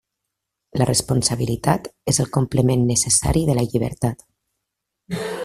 La responsabilitat és el complement necessari de la llibertat.